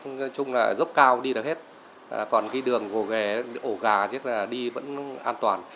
nói chung là dốc cao đi được hết còn cái đường hồ ghề ổ gà chắc là đi vẫn an toàn